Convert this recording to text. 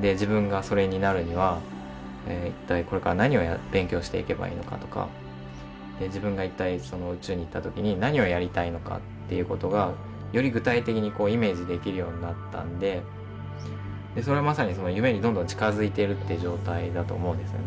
自分がそれになるには一体これから何を勉強していけばいいのかとか自分が一体宇宙に行った時に何をやりたいのかっていう事がより具体的にイメージできるようになったんでそれはまさに夢にどんどん近づいているっていう状態だと思うんですよね。